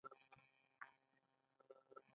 د جنازې په مراسمو کې ډېر خلک ځي.